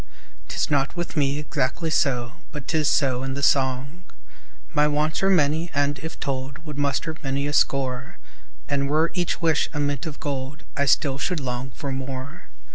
'Tis not with me exactly so; But 'tis so in the song. My wants are many and, if told, Would muster many a score; And were each wish a mint of gold, I still should long for more.